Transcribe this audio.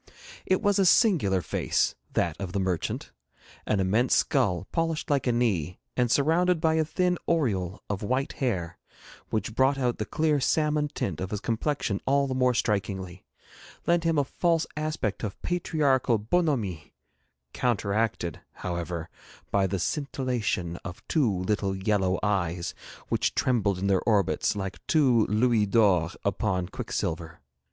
It was a singular face, that of the merchant; an immense skull, polished like a knee, and surrounded by a thin aureole of white hair, which brought out the clear salmon tint of his complexion all the more strikingly, lent him a false aspect of patriarchal bonhomie, counteracted, however, by the scintillation of two little yellow eyes which trembled in their orbits like two louis d'or upon quicksilver.